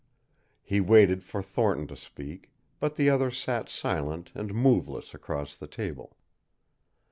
He waited for Thornton to speak, but the other sat silent and moveless across the table.